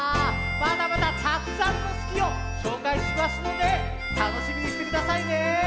まだまだたくさんの「すき」をしょうかいしますのでたのしみにしてくださいね。